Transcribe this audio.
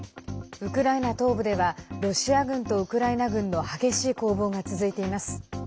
ウクライナ東部ではロシア軍とウクライナ軍の激しい攻防が続いています。